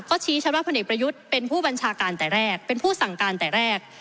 ก็ชี้ชัดว่าพลเอกประยุทธ์เป็นผู้บัญชาการแต่แรกเป็นผู้สั่งการแต่แรก